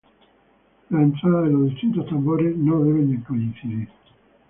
Las entradas de los distintos tambores no deben coincidir.